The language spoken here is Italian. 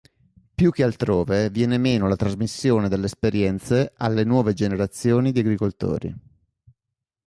Più che altrove viene meno la trasmissione delle esperienze alle nuove generazioni di agricoltori.